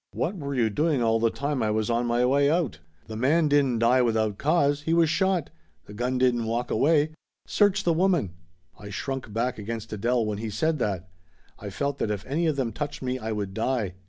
"What were you doing all the time I was on my way out ? The man didn't die without cause. He was shot. The gun didn't walk away. Search the woman !" I shrunk back against Adele when he said that. I felt that if any of them touched me I would die.